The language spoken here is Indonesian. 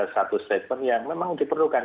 satu statement yang memang diperlukan